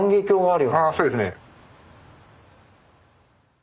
ああそうですね。